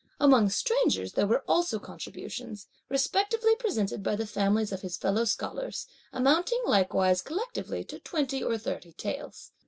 Among strangers, there were also contributions, respectively presented by the families of his fellow scholars, amounting, likewise, collectively to twenty or thirty taels.